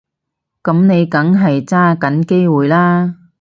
噉你梗係揸緊機會啦